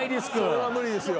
それは無理ですよ。